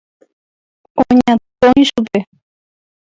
Oñatõi chupe.